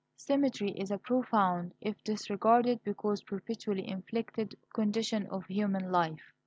Symmetry is a profound, if disregarded because perpetually inflected, condition of human life.